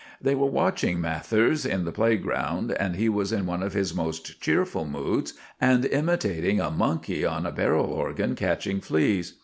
They were watching Mathers in the playground, and he was in one of his most cheerful moods, and imitating a monkey on a barrel organ catching fleas.